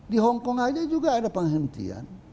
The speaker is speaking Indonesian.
di hongkong aja juga ada penghentian